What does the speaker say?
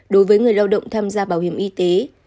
đối với người lao động tham gia bảo hiểm y tế